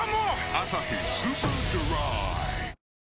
「アサヒスーパードライ」